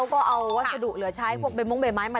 โอ้ผลไม้ผลมือนะ